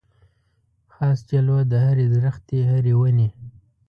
خاص جلوه د هري درختي هري وني